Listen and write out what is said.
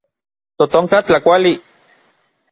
Totonka tlakuali.